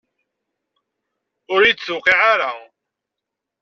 Ur yi-d-tewqiɛ ara.